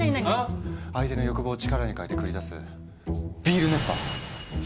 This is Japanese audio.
相手の欲望を力に変えて繰り出す「ビール熱波」！